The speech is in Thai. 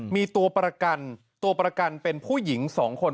มีตัวประกันตัวประกันเป็นผู้หญิง๒คน